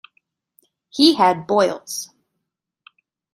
He had boils.